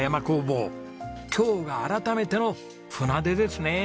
今日が改めての船出ですね。